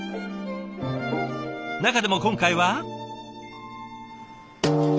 中でも今回は。